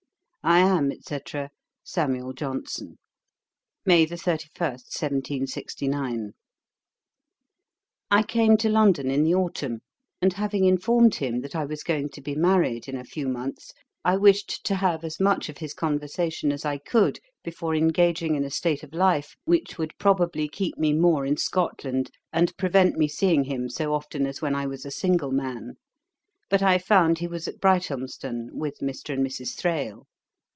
'I am, &c., 'SAM. JOHNSON.' 'May 31, 1769.' I came to London in the autumn, and having informed him that I was going to be married in a few months, I wished to have as much of his conversation as I could before engaging in a state of life which would probably keep me more in Scotland, and prevent me seeing him so often as when I was a single man; but I found he was at Brighthelmstone with Mr. and Mrs. Thrale.